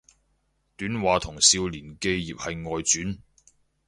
短話同少年寄葉係外傳